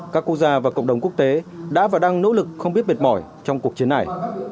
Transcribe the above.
các quốc gia và cộng đồng quốc tế đã và đang nỗ lực không biết mệt mỏi trong cuộc chiến này